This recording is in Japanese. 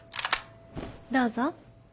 どうぞ。